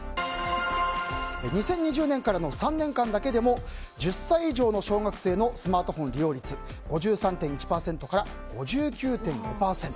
２０２０年からの３年間だけでも１０歳以上の小学生のスマートフォン利用率５３．１％から５９．５％。